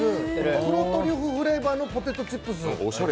黒トリュフフレーバーのポテトチップス。